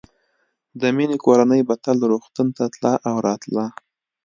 د مينې کورنۍ به تل روغتون ته تله او راتله